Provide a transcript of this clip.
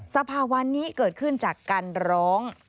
สภาวันนี้เกิดขึ้นจากการร้อง